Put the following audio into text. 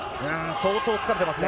相当疲れてますね。